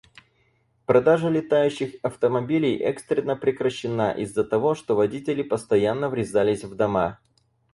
Продажа летающих автомобилей экстренно прекращена из-за того, что водители постоянно врезались в дома.